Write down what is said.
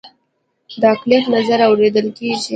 د اقلیت نظر اوریدل کیږي